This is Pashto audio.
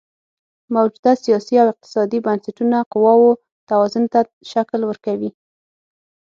موجوده سیاسي او اقتصادي بنسټونه قواوو توازن ته شکل ورکوي.